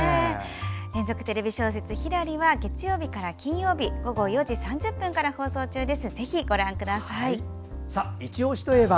連続テレビ小説「ひらり」は月曜日から金曜日午後４時３０分から放送中です。